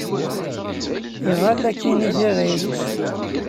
Iḍall akkin i tiɣilt.